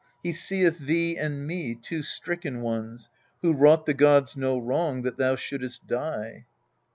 He seeth thee and me, two stricken ones, Who wrought the gods no wrong, that thou shouldst die.